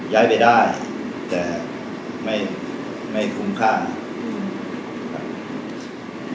ย้ายไปได้แต่ไม่ไม่คุ้มค่าครับ